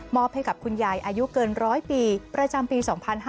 อบให้กับคุณยายอายุเกิน๑๐๐ปีประจำปี๒๕๕๙